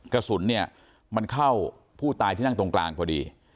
กระสุนเนี่ยมันเข้าผู้ตายที่นั่งตรงกลางพอดี